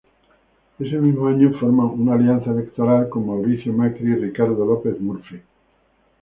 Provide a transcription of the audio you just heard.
Ese mismo año forma una alianza electoral con Mauricio Macri y Ricardo López Murphy.